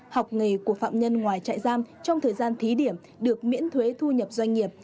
học nghề của phạm nhân ngoài trại giam trong thời gian thí điểm được miễn thuế thu nhập doanh nghiệp